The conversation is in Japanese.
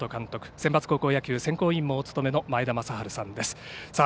センバツ高校野球選考委員もお務めの前田正治さんです。